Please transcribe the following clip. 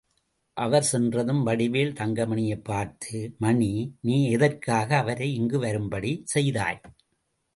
அவர் சென்றதும் வடிவேல் தங்கமணியைப் பார்த்து, மணி, நீ எதற்காக அவரை இங்கு வரும்படி செய்தாய்?